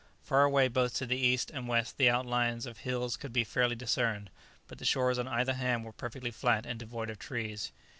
Far away both to the east and west the outlines of hills could be faintly discerned, but the shores on either hand were perfectly flat and devoid of trees.